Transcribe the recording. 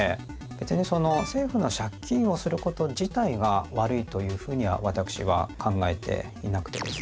別に政府の借金をすること自体が悪いというふうには私は考えていなくてですね